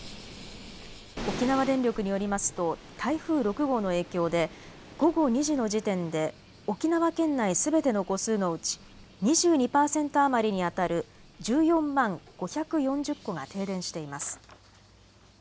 沖縄電力によりますと台風６号の影響で午後２時の時点で沖縄県内すべての戸数のうち２２％余りにあたる１４万５４０戸が停電しています。